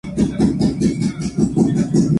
Heihachi vio el poder de Ogre e intentó capturarlo.